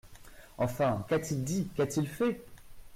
Enfin, qu’a-t-il dit, qu’a-t-il fait ?